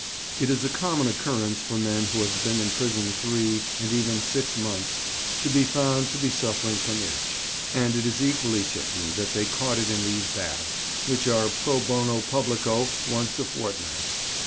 It is a common occurrence for men who have been in prison three, and even six months, to be found to be suffering from itch, and it is equally certain that they caught it in these baths, which are pro bono publico once a fortnight.